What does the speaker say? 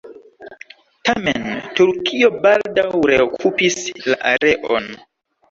Tamen, Turkio baldaŭ reokupis la areon.